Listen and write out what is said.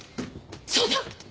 そうだ！